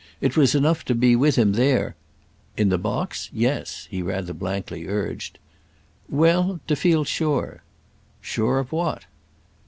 It was enough to be with him there—" "In the box? Yes," he rather blankly urged. "Well—to feel sure." "Sure of what?"